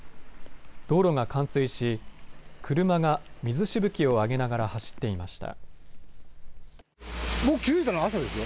道路が冠水し、車が水しぶきを上げながら走っていました。